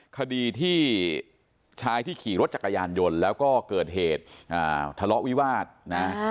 คดีที่ชายที่ขี่รถจักรยานยนต์แล้วก็เกิดเหตุทะเลาะวิวาสนะ